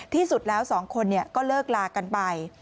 ที่สุดแล้ว๒คนก็เลิกลากันไป